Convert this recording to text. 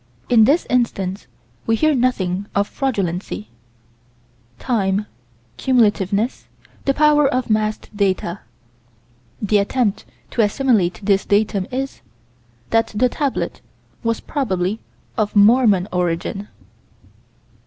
In this instance we hear nothing of fraudulency time, cumulativeness, the power of massed data. The attempt to assimilate this datum is: That the tablet was probably of Mormon origin.